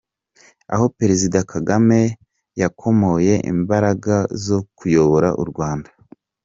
Aho Perezida Kagame yakomoye imbaraga zo kuyobora u Rwanda.